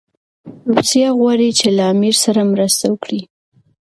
روسیه غواړي چي له امیر سره مرسته وکړي.